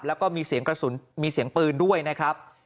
และก็มีเสียงปืนด้วยนะครับ